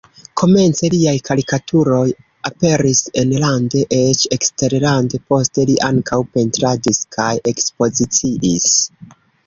Komence liaj karikaturoj aperis enlande, eĉ eksterlande, poste li ankaŭ pentradis kaj ekspoziciis.